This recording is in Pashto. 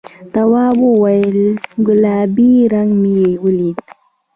تواب وویل گلابي رنګ مې ولید.